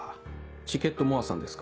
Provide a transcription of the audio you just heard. チケットもあさんですか？